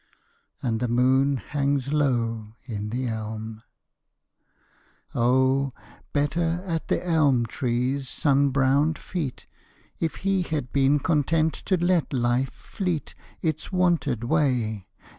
And the moon hangs low in the elm. Oh, better at the elm tree's sun browned feet If he had been content to let life fleet Its wonted way!